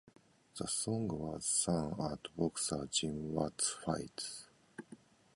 The song was sung at boxer Jim Watt's fights.